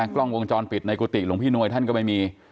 กล้องวงจรปิดในกุฏิหลวงพี่นวยท่านก็ไม่มี